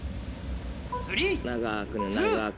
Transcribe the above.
長くね長く。